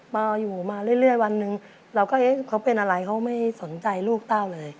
มาอยู่มาเรื่อยวันหนึ่งเราก็เอ๊ะเขาเป็นอะไรเขาไม่สนใจลูกเต้าเลย